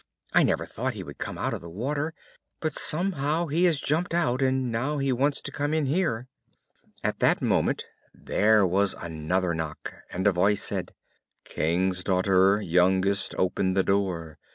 I never thought that he could come out of the water, but somehow he has jumped out, and now he wants to come in here." At that moment there was another knock, and a voice said, "King's daughter, youngest, Open the door.